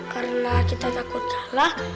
karena kita takut kalah